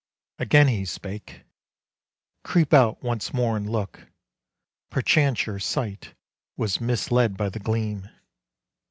Again he spake, "Creep out once more and look; Perchance your sight was misled by the gleam."